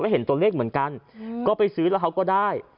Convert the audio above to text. เห็นตัวเลขเหมือนกันก็ไปซื้อแล้วเขาก็ได้